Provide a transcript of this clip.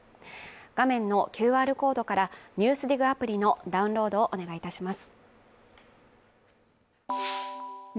画面のＱＲコードから「ＮＥＷＳＤＩＧ」アプリのダウンロードをお願いいたします。